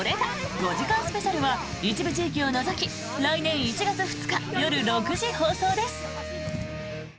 ５時間スペシャルは一部地域を除き来年１月２日夜６時放送です。